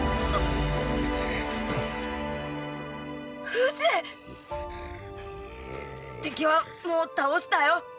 フシ⁉敵はもう倒したよッ